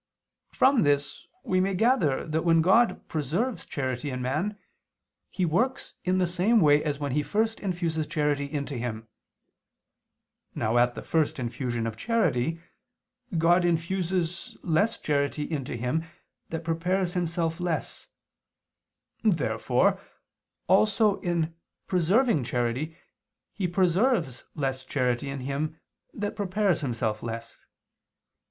From this we may gather that when God preserves charity in man, He works in the same way as when He first infuses charity into him. Now at the first infusion of charity God infuses less charity into him that prepares himself less. Therefore also in preserving charity, He preserves less charity in him that prepares himself less.